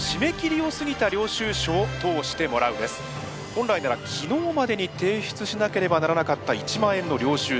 今回の競技は本来なら昨日までに提出しなければならなかった１万円の領収書。